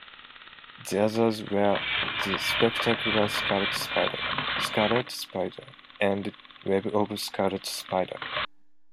The others were "The Spectacular Scarlet Spider", "Scarlet Spider", and "Web of Scarlet Spider".